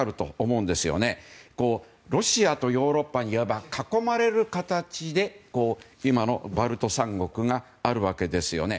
いわばロシアとヨーロッパに囲まれる形で今のバルト三国があるわけですよね。